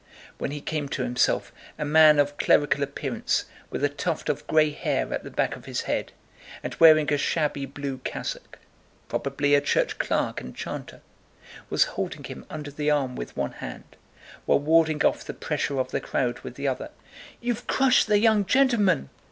When he came to himself, a man of clerical appearance with a tuft of gray hair at the back of his head and wearing a shabby blue cassock—probably a church clerk and chanter—was holding him under the arm with one hand while warding off the pressure of the crowd with the other. "You've crushed the young gentleman!"